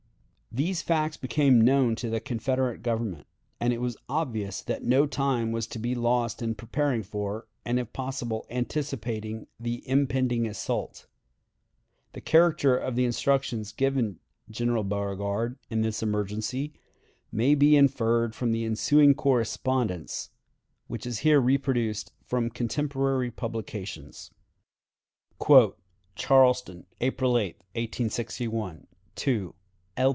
These facts became known to the Confederate Government, and it was obvious that no time was to be lost in preparing for, and if possible anticipating the impending assault. The character of the instructions given General Beauregard in this emergency may be inferred from the ensuing correspondence, which is here reproduced from contemporary publications: "Charleston, April 8th. "L.